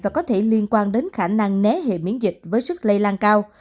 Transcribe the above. và có thể liên quan đến khả năng né hệ miễn dịch với sức lây lan cao